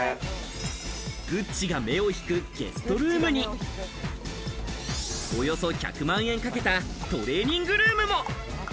グッチが目を引くゲストルームに、およそ１００万円かけたトレーニングルームも。